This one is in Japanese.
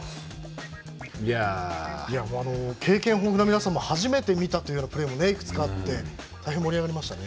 経験豊富な皆さんも初めて見たというようなプレーもいくつかあって大変盛り上がりましたね。